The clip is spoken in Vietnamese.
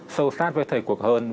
sâu sát với thời cuộc hơn